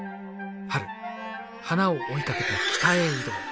春花を追いかけて北へ移動。